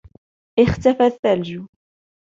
اختفى الثلج.